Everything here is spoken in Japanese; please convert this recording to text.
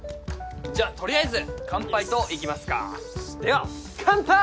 じゃあとりあえず乾杯といきますかでは乾杯！